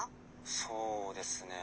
「そうですね